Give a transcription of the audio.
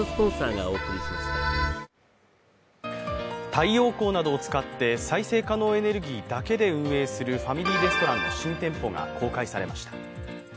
太陽光などを使って、再生可能エネルギーだけで運営するファミリーマートの新店舗が公開されました。